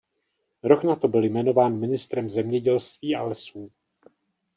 Rok na to byl jmenován ministrem zemědělství a lesů.